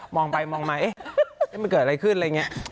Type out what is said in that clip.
มองไปมองไม่ไม่เกิดอะไรขึ้นอะไรอย่างนี้